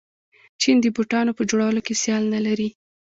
چین د بوټانو په جوړولو کې سیال نلري.